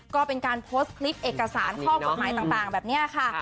ก็เป็นการโพสต์คลิปเอกสารข้อกฎหมายต่างแบบนี้ค่ะ